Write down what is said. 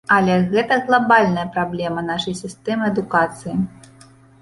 Але гэта глабальная праблема нашай сістэмы адукацыі.